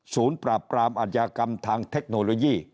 ศูนย์ปราบรามอัญญากรรมทางเทคโนโลยี